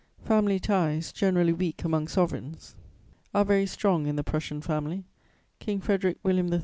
"Family ties, generally weak among sovereigns, are very strong in the Prussian Family: King Frederic William III.